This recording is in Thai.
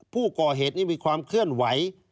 ผู้ก่อเหตุนี้มีความเคลื่อนไหว